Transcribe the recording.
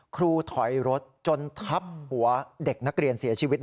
ถอยรถจนทับหัวเด็กนักเรียนเสียชีวิต